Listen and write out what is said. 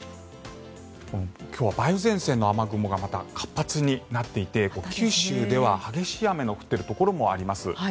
今日は梅雨前線の雨雲がまた活発になっていて九州では激しい雨の降っているところもあります。